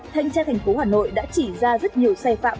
thanh tra thành phố hà nội đã chỉ ra rất nhiều sai phạm